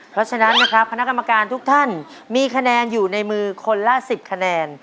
เพราะฉะนั้นนะครับคณะกรรมการทุกท่านมีคะแนนอยู่ในมือคนละ๑๐คะแนน